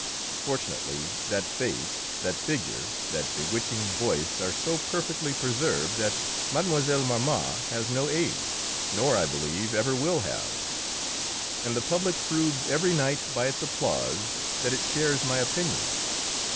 Fortunately, that face, that figure, that bewitching voice are so perfectly preserved that Mlle. Mars has no age, nor, I believe, ever will have, and the public proves every night by its applause that it shares my opinion.